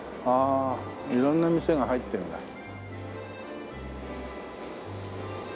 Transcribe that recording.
ああ色んな店が入ってんだ。